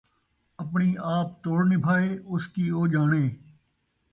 اپݨی آپ توڑ نبھائے، اس کی او ڄاݨے